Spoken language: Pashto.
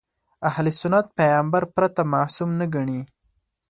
اهل سنت پیغمبر پرته معصوم نه ګڼي.